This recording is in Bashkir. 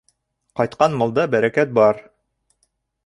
Ҡайтҡан малда бәрәкәт бар.